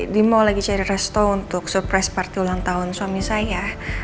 di mall lagi cari resto untuk surprise party ulang tahun suami saya